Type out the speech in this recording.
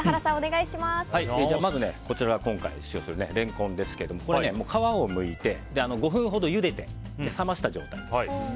まずこちら今回使用するレンコンですけども皮をむいて、５分ほどゆでて冷ました状態です。